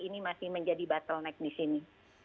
ini masih menjadi bottleneck di sini